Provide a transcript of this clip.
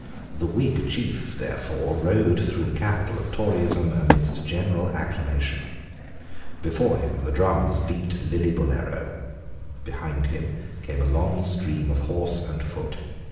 The Whig chief, therefore, rode through the capital of Toryism amidst general acclamation. Before him the drums beat Lillibullero. Behind him came a long stream of horse and foot.